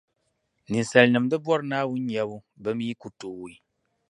Ninsalinim di bɔri Naawuni nyabu, bɛ mi kutooi